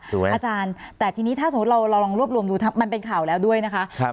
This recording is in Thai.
อาจารย์แต่ทีนี้ถ้าสมมุติเราลองรวบรวมดูมันเป็นข่าวแล้วด้วยนะคะ